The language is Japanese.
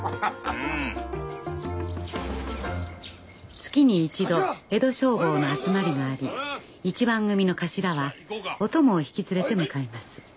月に一度江戸消防の集まりがあり一番組の頭はお供を引き連れて向かいます。